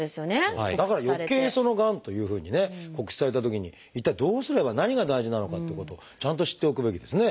だからよけいがんというふうにね告知されたときに一体どうすれば何が大事なのかっていうことをちゃんと知っておくべきですね。